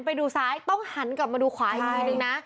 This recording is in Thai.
ไปดูซ้ายต้องหันกลับมาดูขวาอีกทีนึงนะ